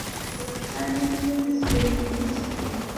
د بلوڅانو سیمې په سویل لویدیځ کې دي